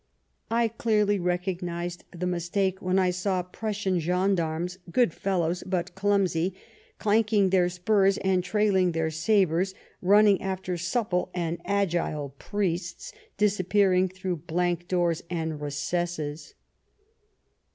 " I clearly recognized the mistake when I saw Prussian gendarmes, good fellows, but clumsy, clanking their spurs and trailing their sabres, run ning after supple and agile priests disappearing through blank doors and recesses."